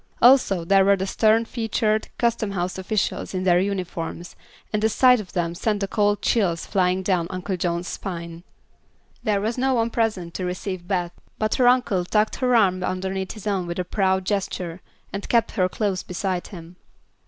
Also there were the stern featured custom house officials in their uniforms, and the sight of them sent the cold chills flying down Uncle John's spine. There was no one present to receive Beth, but her uncle tucked her arm underneath his own with a proud gesture and kept her close beside him.